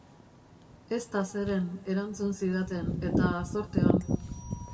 Ez da zeren, erantzun zidaten, eta, zorte on.